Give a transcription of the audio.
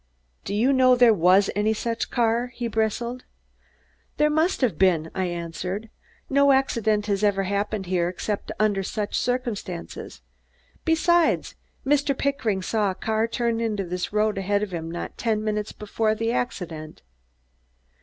"Do you know there was any such car?" he bristled. "There must have been," I answered. "No accident has ever happened here except under such circumstances. Besides, Mr. Pickering saw a car turn into this road ahead of him not ten minutes before the accident."